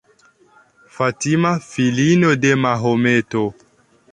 Fatima, filino de Mahometo.